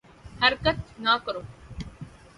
حرکت نہ کرو